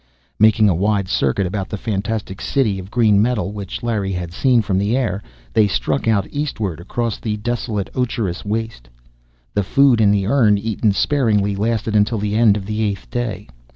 Making a wide circuit about the fantastic city of green metal, which Larry had seen from the air, they struck out eastward across the desolate ocherous waste. The food in the urn, eaten sparingly, lasted until the end of the eighth day.